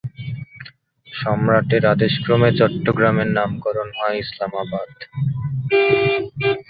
সম্রাটের আদেশক্রমে চট্টগ্রামের নামকরণ হয় ইসলামাবাদ।